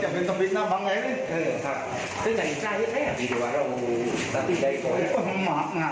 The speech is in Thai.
แต่คนเด็ดต้องให้ตัวนั้นว่าเนี่ยยาวเจ็บการมากมายังไง